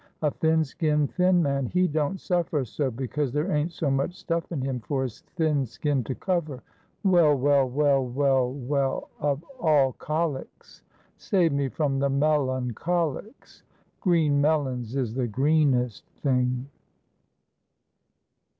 A thin skinned, thin man, he don't suffer so, because there ain't so much stuff in him for his thin skin to cover. Well, well, well, well, well; of all colics, save me from the melloncholics; green melons is the greenest thing!"